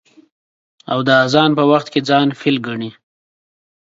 او د اذان په وخت کې ځان فيل گڼي.